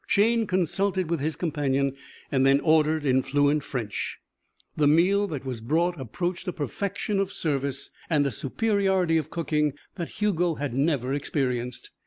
Shayne consulted with his companion and then ordered in fluent French. The meal that was brought approached a perfection of service and a superiority of cooking that Hugo had never experienced.